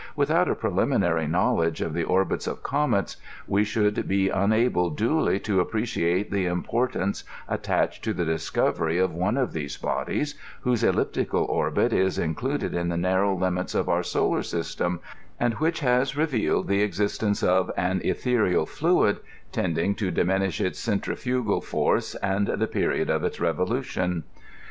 Without a preliminary knowledge of the orbits of comets, we should be unable duly to appre ciate the importance attached to the discovery of one of these bodies, whose elliptical orbit is included in the narrow limits of our solar system, and which has revealed the existence of an ethereal fluid, tending to diminish its centrifugal force and the period of its revolution.